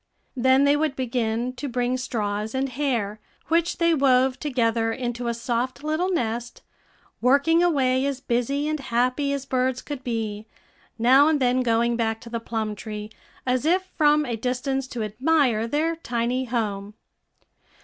Then they would begin to bring straws and hair, which they wove together into a soft little nest, working away as busy and happy as birds could be, now and then going back to the plum tree, as if from a distance to admire their tiny home.